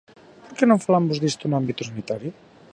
¿Por que non falamos disto no ámbito sanitario?